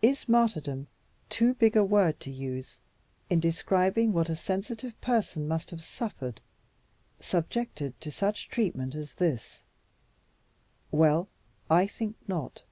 Is "martyrdom" too big a word to use in describing what a sensitive person must have suffered, subjected to such treatment as this? Well, I think not.